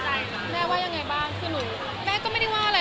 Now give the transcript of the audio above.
ดนตรีอย่างผู้ดีสิ๊คและหมาจะกำลังเจอกัน